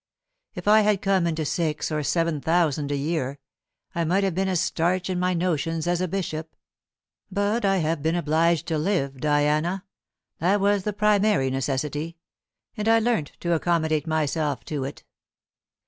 If I had come into six or seven thousand a year, I might have been as starch in my notions as a bishop; but I have been obliged to live, Diana that was the primary necessity, and I learnt to accommodate myself to it."